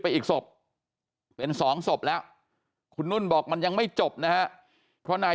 อีกศพเป็นสองศพแล้วคุณนุ่นบอกมันยังไม่จบนะฮะเพราะนาย